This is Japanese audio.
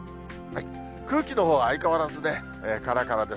空気のほうは相変わらずからからです。